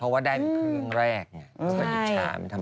เพราะได้เป็นเครื่องแรก